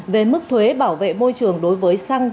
về mức thuế bảo vệ môi trường đối với xăng